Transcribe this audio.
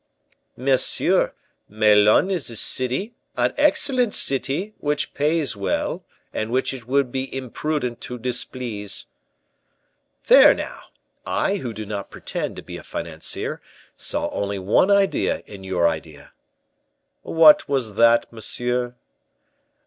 "Monsieur, Melun is a city, an excellent city, which pays well, and which it would be imprudent to displease." "There, now! I, who do not pretend to be a financier, saw only one idea in your idea." "What was that, monsieur?"